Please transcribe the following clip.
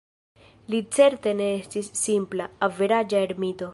Li certe ne estis simpla, "averaĝa" ermito.